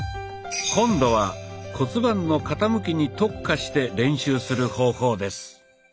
今度は骨盤の傾きに特化して練習する方法です。